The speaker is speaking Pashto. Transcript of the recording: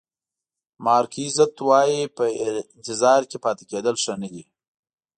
مارک ایزت وایي په انتظار کې پاتې کېدل ښه نه دي.